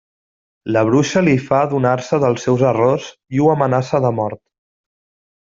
La Bruixa li fa adonar-se dels seus errors i ho amenaça de mort.